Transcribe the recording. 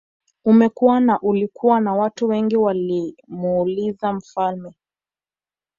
Umekua na ulikuwa na watu wengi walimuuliza mfalme